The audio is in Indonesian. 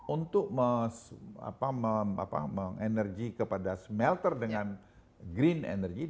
untuk mengenergi kepada smelter dengan green energy